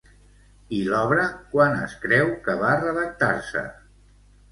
I l'obra quan es creu que va redactar-se?